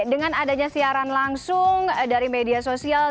dengan adanya siaran langsung dari media sosial